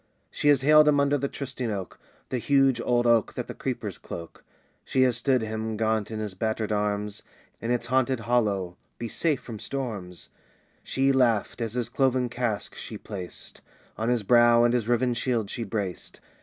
She has haled him under the trysting oak, The huge old oak that the creepers cloak. She has stood him, gaunt in his battered arms, In its haunted hollow. "Be safe from storms," She laughed as his cloven casque she placed On his brow, and his riven shield she braced.